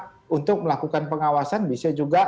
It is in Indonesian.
juga tidak apa apa untuk melakukan pengawasan bisa juga